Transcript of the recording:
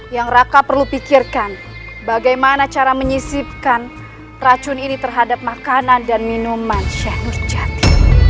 yang raka perlu pikirkan bagaimana cara menyisipkan racun ini terhadap makanan dan minuman sheikh nur jati